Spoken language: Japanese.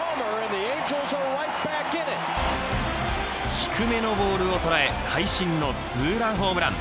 低めのボールを捉え会心のツーランホームラン。